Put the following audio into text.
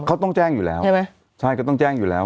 เขาต้องแจ้งอยู่แล้วใช่ไหมใช่ก็ต้องแจ้งอยู่แล้ว